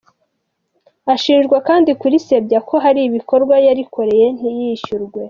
Ashinjwa kandi kurisebya ko hari ibikorwa yarikoreye ntiyishyurwe.